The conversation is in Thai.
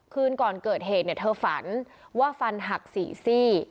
คืนก่อนเกิดเหตุเธอฝันว่าฟันหัก๔ซี่